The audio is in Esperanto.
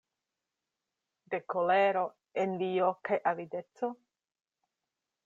De kolero, envio kaj avideco?